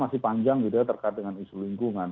masih panjang juga terkait dengan isu lingkungan